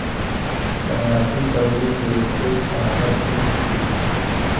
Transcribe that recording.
صنعتي تولید د رکود په حالت کې وي